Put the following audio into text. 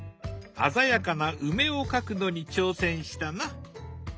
鮮やかな梅を描くのに挑戦したな。